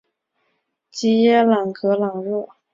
吉耶朗格朗热。